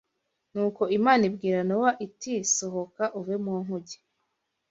Nuko Imana ibwira Nowa iti sohoka uve mu nkuge